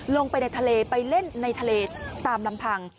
ลงไปในทะเลไปเล่นในทะเลตามลำพัง